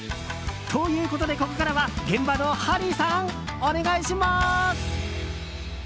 ということでここからは現場のハリーさんお願いします！